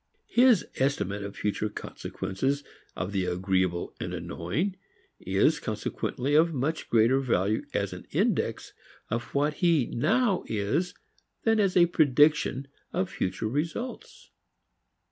His estimate of future consequences of the agreeable and annoying is consequently of much greater value as an index of what he now is than as a prediction of future results.